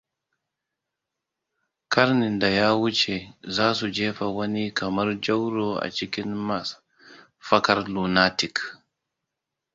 Karnin da ya wuce za su jefa wani kamar Jaurou a cikin mafakar lunatic.